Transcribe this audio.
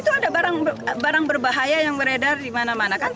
itu ada barang berbahaya yang beredar di mana mana kan